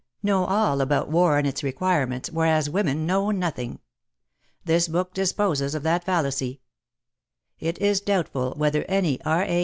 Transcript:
know all about war and its require ments, whereas women know nothing. This book disposes of that fallacy. It is doubtful whether any R.A.